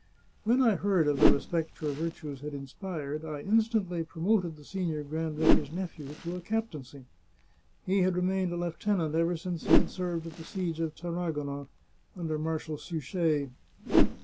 When I heard of the respect your virtues had inspired, I instantly promoted the senior grand vicar's nephew to a captaincy. He had remained a lieu tenant ever since he had served at the siege of Tarragona, under Marshal Suchet."